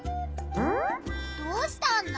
どうしたんだ？